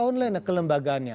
ada online kelembagaannya